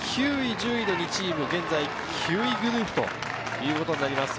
そして９位・１０位の２チーム、９位グループということになります。